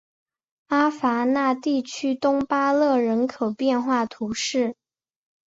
阿戈讷地区东巴勒人口变化图示